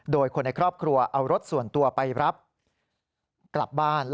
โดยคนในครอบครัวเอารถส่วนตัวไปรับกลับบ้าน